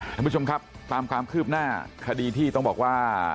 ท่านผู้ชมครับตามความคืบหน้าคดีที่ต้องบอกว่า